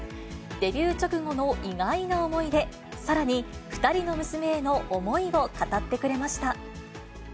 デビュー直後の意外な思い出、さらに２人の娘への思いを語ってくれました。